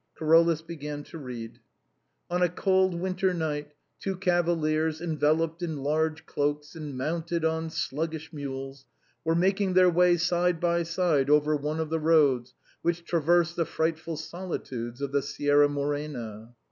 " Carolus began to read : "On a cold winter night, two cavaliers, enveloped in large cloaks, and mounted on sluggish mules, were mak ing their way side by side over one of the roads which tra verse the frightful solitudes of the Sierra Morena."